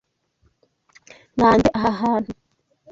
Nanze aha hantu.